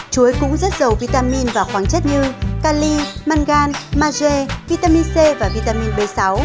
chuối cũng rất giàu vitamin và khoáng chất như cali mangan mage vitamin c và vitamin b sáu